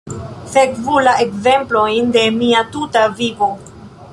Sekvu la ekzemplojn de mia tuta vivo.